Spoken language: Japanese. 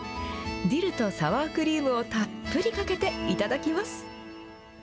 ディルとサワークリームをたっぷりかけて、頂きます。